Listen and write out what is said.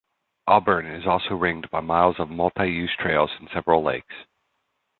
Auburn is also ringed by miles of multi-use trails and several lakes.